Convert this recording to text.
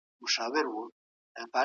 موږ بايد خپل مال هم وساتو.